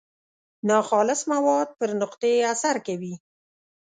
ناخالص مواد پر نقطې اثر کوي.